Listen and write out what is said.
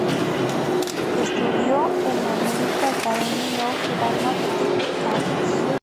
Estudió en la American Academy of Dramatic Arts.